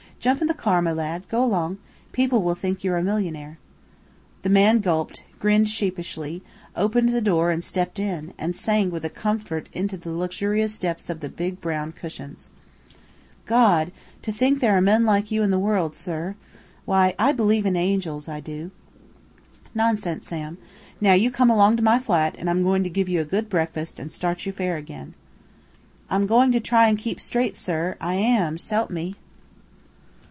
Jump into the car, my lad. Go along. People will think you're a millionaire." The man gulped, grinned sheepishly, opened the door and stepped in, and sank with a sigh of comfort into the luxurious depths of the big brown cushions. "Gawd! To think that there are men like you in the world, sir! Why, I believe in angels, I do!" "Nonsense Sam. Now you come along to my flat, and I'm going to give you a good breakfast and start you fair again." "I'm going to try and keep straight, sir, I am s'help me!"